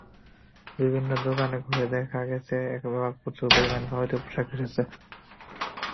বিভিন্ন দোকান ঘুরে দেখা গেছে, এবার প্রচুর পরিমাণে ভারতীয় পোশাক এসেছে।